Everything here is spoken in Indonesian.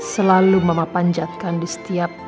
selalu mama panjatkan di setiap